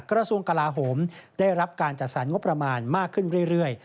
กระทรวงกลาโหมได้รับการจัดสรรงบประมาณมากขึ้นเรื่อย